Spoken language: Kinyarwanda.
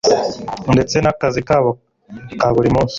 ndetse n'akazi kabo ka buri munsi.